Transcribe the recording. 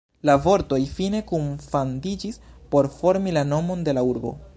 La vortoj fine kunfandiĝis por formi la nomon de la urbo.